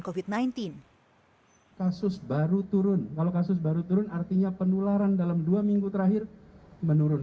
covid sembilan belas kasus baru turun kalau kasus baru turun artinya penularan dalam dua minggu terakhir menurun